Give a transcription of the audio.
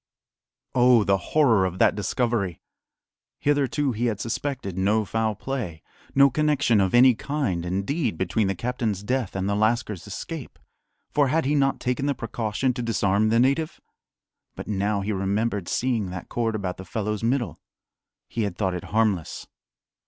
Oh, the horror of that discovery! Hitherto he had suspected no foul play, no connection of any kind, indeed, between the captain's death and the lascar's escape; for had he not taken the precaution to disarm the native? But now he remembered seeing that cord about the fellow's middle. He had thought it harmless.